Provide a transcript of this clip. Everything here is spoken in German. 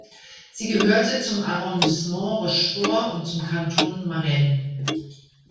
Sie gehörte zum Arrondissement Rochefort und zum Kanton Marennes.